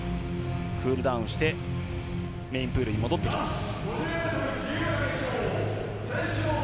クールダウンしてメインプールに戻ってきます。